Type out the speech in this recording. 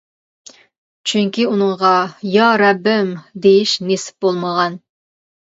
چۈنكى ئۇنىڭغا «يا، رەببىم! » دېيىش نېسىپ بولمىغان.